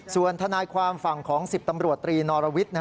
ส่วนทนายความฝั่งของ๑๐ตำรวจตรีนอรวิทย์